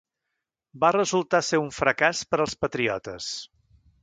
Va resultar ser un fracàs per als patriotes.